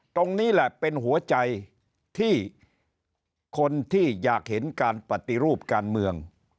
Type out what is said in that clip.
ตรงนี้แหละเป็นหัวใจที่คนที่อยากเห็นการปฏิรูปการเมือง